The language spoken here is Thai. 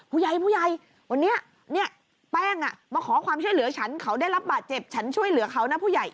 ผู้ใหญ่ผู้ใหญ่วันนี้เนี่ยแป้งมาขอความช่วยเหลือฉันเขาได้รับบาดเจ็บฉันช่วยเหลือเขานะผู้ใหญ่